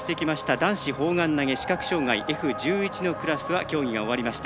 男子砲丸投げ視覚障がいＦ１１のクラスは競技が終わりました。